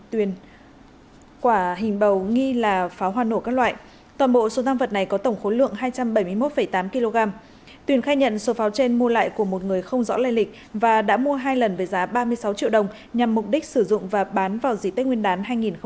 tuyền quả hình bầu nghi là pháo hoa nổ các loại toàn bộ số tăng vật này có tổng khối lượng hai trăm bảy mươi một tám kg tuyền khai nhận số pháo trên mua lại của một người không rõ lây lịch và đã mua hai lần với giá ba mươi sáu triệu đồng nhằm mục đích sử dụng và bán vào dĩ tết nguyên đán hai nghìn hai mươi